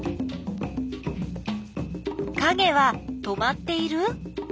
かげは止まっている？